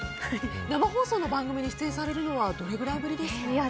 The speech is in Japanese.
生放送の番組に出演するのはどれぐらいぶりですか？